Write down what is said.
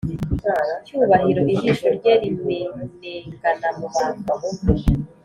cyubahiro ijisho rye rimenengana mubantu